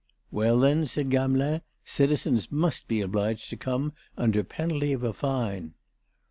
"Well then," said Gamelin, "citizens must be obliged to come under penalty of a fine."